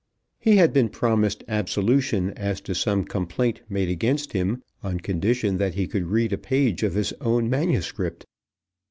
He had been promised absolution as to some complaint made against him on condition that he could read a page of his own manuscript.